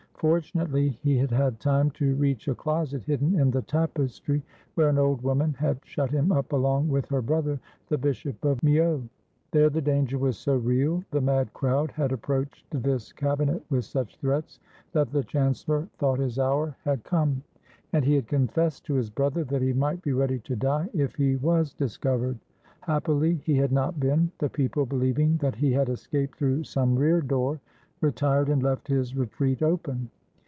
Fortunately he had had time to reach a closet hidden in the tapestry, where an old woman had shut him up along with her brother, the Bishop of Meaux. There the danger was so real, the mad crowd had approached this cabinet with such threats, that the chancellor thought his hour had 254 IN THE DAYS OF THE FRONDE come; and he had confessed to his brother, that he might be ready to die if he was discovered. Happily he had not been; the people, believing that he had escaped through some rear door, retired and left his retreat open.